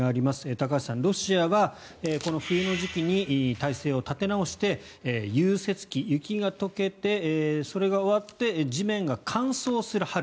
高橋さん、ロシアはこの冬の時期に態勢を立て直して融雪期雪が解けてそれが終わって地面が乾燥する春。